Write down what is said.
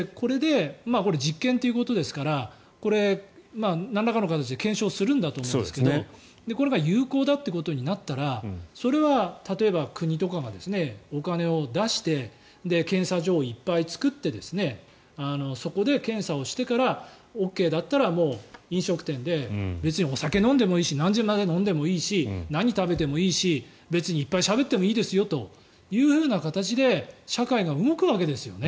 これは実験ということですからこれ、なんらかの形で検証するんだと思うんですけどこれが有効だってなったらそれは例えば国とかがお金を出して検査場をいっぱい作ってそこで検査をしてからＯＫだったらもう飲食店で別にお酒を飲んでもいいし何時まで飲んでもいいし何食べてもいいし別にいっぱいしゃべってもいいですよという形で社会が動くわけですよね。